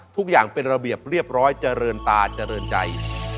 ทุกอย่างเป็นระเบียบเรียบร้อยเจริญตาเจริญใจ